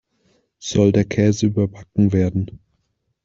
Soll der Käse überbacken werden?